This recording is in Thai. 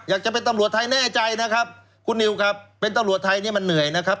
จะเป็นตำรวจไทยแน่ใจนะครับคุณนิวครับเป็นตำรวจไทยนี่มันเหนื่อยนะครับ